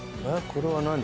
これは何？